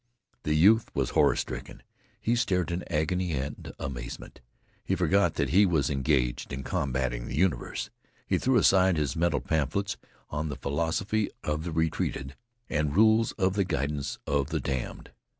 The youth was horrorstricken. He stared in agony and amazement. He forgot that he was engaged in combating the universe. He threw aside his mental pamphlets on the philosophy of the retreated and rules for the guidance of the damned.